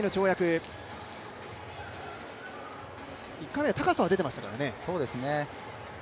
１回目は高さは出ていましたからね